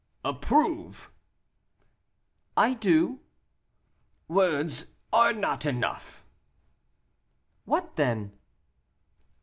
"Approve." "I do." "Words are not enough." "What then?"